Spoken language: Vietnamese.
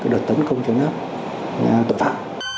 đợt tấn công chân nóc tội phạm